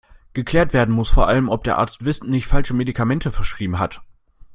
Geklärt werden muss vor allem, ob der Arzt wissentlich falsche Medikamente verschrieben hat.